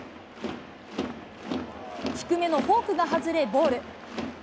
低めのフォークが外れボール。